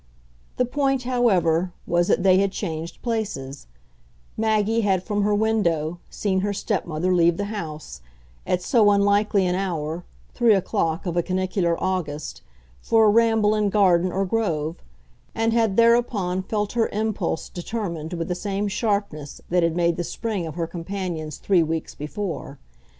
The point, however, was that they had changed places; Maggie had from her window, seen her stepmother leave the house at so unlikely an hour, three o'clock of a canicular August, for a ramble in garden or grove and had thereupon felt her impulse determined with the same sharpness that had made the spring of her companion's three weeks before.